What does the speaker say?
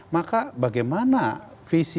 maka bagaimana visi misi yang sudah diambil